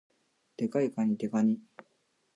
デカいかに、デカニ